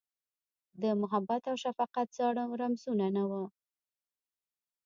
د محبت اوشفقت زاړه رمزونه، نه وه